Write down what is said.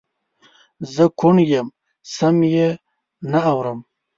زه کوڼ یم سم یې نه اورم